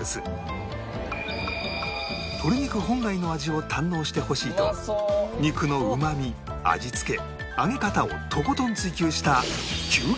鶏肉本来の味を堪能してほしいと肉のうまみ味付け揚げ方をとことん追求した